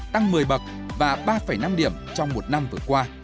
tăng một mươi bậc và ba năm điểm trong một năm vừa qua